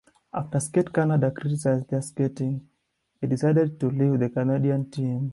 After Skate Canada criticized their skating, they decided to leave the Canadian team.